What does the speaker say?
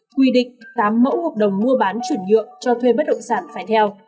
quy định tám mẫu hợp đồng mua bán chuyển nhượng cho thuê bất động sản phải theo